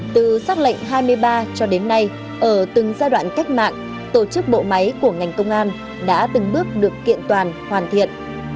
từ xác lệnh hai mươi ba cho đến nay ở từng giai đoạn cách mạng tổ chức bộ máy của ngành công an đã từng bước được kiện toàn hoàn thiện